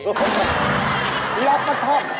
ได้รับประทบ